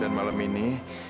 dan malam ini